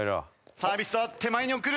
サービスは手前に送る。